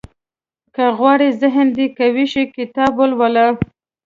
• که غواړې ذهن دې قوي شي، کتاب ولوله.